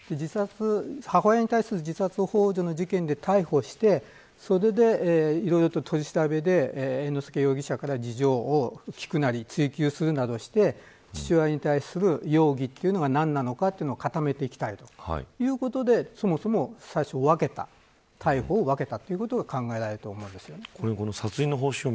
母親に対する自殺ほう助の事件で逮捕してそれで、いろいろと取り調べで猿之助容疑者から事情を聴くなり追及するなどして父親に対する容疑というのが何なのかというのを固めていきたいということでそもそも最初は分けた逮捕を分けたということが考えられると思います。